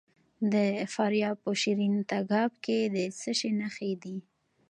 د فاریاب په شیرین تګاب کې د څه شي نښې دي؟